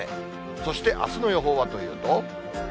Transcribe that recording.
そして、あすの予報はというと。